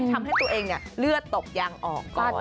ที่ทำให้ตัวเองเลือดตบยางออกก่อน